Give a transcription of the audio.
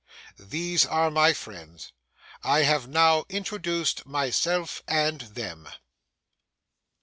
These are my friends; I have now introduced myself and them.